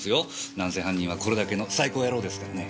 なんせ犯人はこれだけのサイコ野郎ですからね。